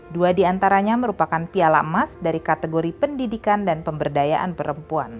dua diantaranya merupakan piala emas dari kategori pendidikan dan pemberdayaan perempuan